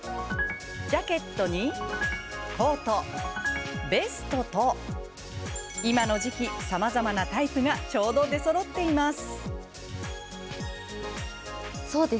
ジャケットに、コート、ベストと今の時期、さまざまなタイプがちょうど出そろっています。